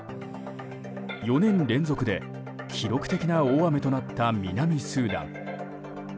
４年連続で記録的な大雨となった南スーダン。